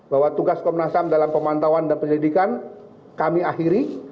bahwa tugas komnas ham dalam pemantauan dan penyidikan kami akhiri